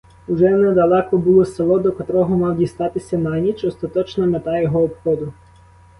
Уже недалеко було село, до котрого мав дістатися на ніч — остаточна мета його обходу.